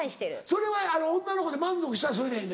それは女の子満足したらそれでええ。